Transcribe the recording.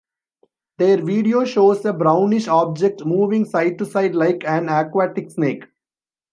Their video shows a brownish object moving side to side like an aquatic snake.